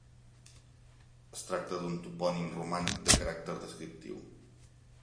Es tracta d'un topònim romànic de caràcter descriptiu.